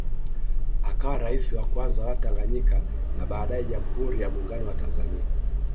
Akawa rais wa Kwanza wa Tanganyika na baadae Jamhuri ya Muungano wa Tanzania